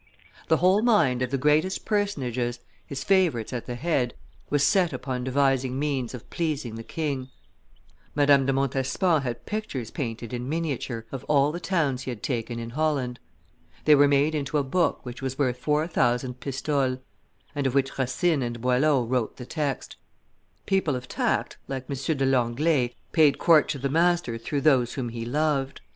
The whole mind of the greatest personages, his favorites at the head, was set upon devising means of pleasing the king; Madame de Montespan had pictures painted in miniature of all the towns he had taken in Holland; they were made into a book which was worth four thousand pistoles, and of which Racine and Boileau wrote the text; people of tact, like M. de Langlee, paid court to the master through those whom he loved.